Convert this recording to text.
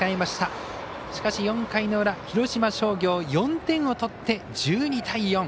しかし４回の裏広島商業４点を取って１２対４。